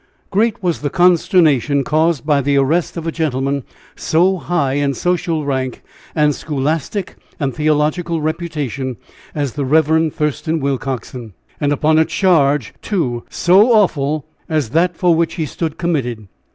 Great was the consternation caused by the arrest of a gentleman so high in social rank and scholastic and theological reputation as the Rev. Thurston Willcoxen, and upon a charge, too, so awful as that for which he stood committed!